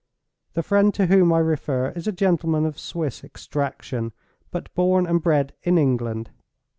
The friend to whom I refer is a gentleman of Swiss extraction, but born and bred in England.